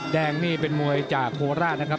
แดงนี่เป็นมวยจากโคราชนะครับ